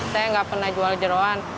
saya nggak pernah jual jeruan